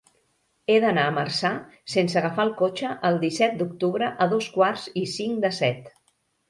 He d'anar a Marçà sense agafar el cotxe el disset d'octubre a dos quarts i cinc de set.